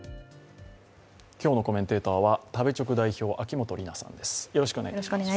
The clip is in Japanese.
今日のコメンテーターは食べチョク代表、秋元里奈さんです。